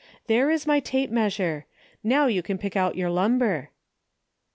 Here is my tape measure. How you can pick out your lumber.